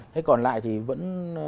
thế còn lại thì vẫn